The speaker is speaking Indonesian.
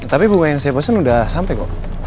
tapi bunga yang saya pesen udah sampe kok